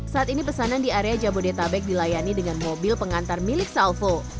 saat ini pesanan di area jabodetabek dilayani dengan mobil pengantar milik salvo